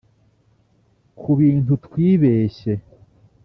kubintu twibeshye.